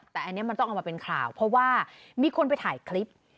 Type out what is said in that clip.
แต่อันนี้มันต้องเอามาเป็นข่าวเพราะว่ามีคนไปถ่ายคลิป